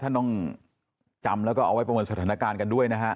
ท่านต้องจำแล้วก็เอาไว้ประเมินสถานการณ์กันด้วยนะฮะ